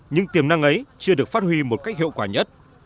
nhưng tiềm năng ấy chưa được phát huy một cách hiệu quả nhất